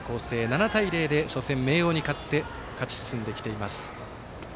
７対０で初戦、明桜に勝って勝ち進んできています。